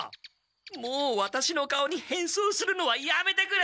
もうワタシの顔に変装するのはやめてくれ！